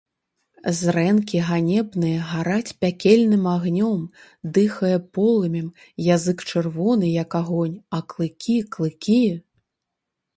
Зрэнкі ганебныя гараць пякельным агнём, дыхае полымем, язык чырвоны, як агонь, а клыкі, клыкі!